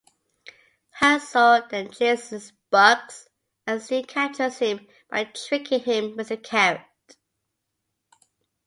Hazel then chases Bugs and soon captures him by tricking him with a carrot.